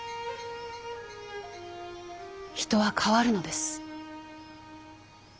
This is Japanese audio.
人は変わるのです。